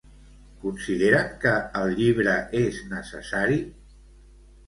Consideren que el llibre és necessari?